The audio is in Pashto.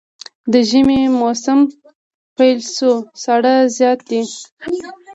د ژمي موسم پيل شو ساړه زيات دی